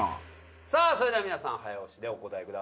さあそれでは皆さん早押しでお答えください。